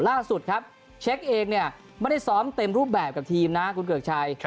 ล่าสุดครับเช็คเองเนี่ยไม่ได้ซ้อมเต็มรูปแบบกับทีมนะคุณเกือกชัย